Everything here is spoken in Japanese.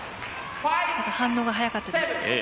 反応が速かったです。